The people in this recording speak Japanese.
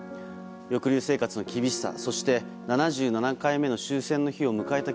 抑留生活の厳しさそして、７７回目の終戦の日を迎えた